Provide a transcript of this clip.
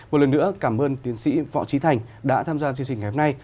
một lần nữa cảm ơn tiến sĩ võ trí thành đã tham gia chương trình ngày hôm nay